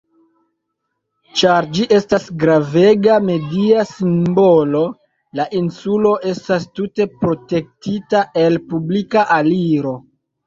Ĉar ĝi estas gravega media simbolo, la insulo estas tute protektita el publika aliro.